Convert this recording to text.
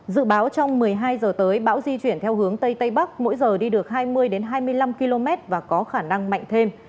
dự báo trong một mươi hai h tới bão di chuyển theo hướng tây tây bắc mỗi giờ đi được hai mươi hai mươi năm km và có khả năng mạnh thêm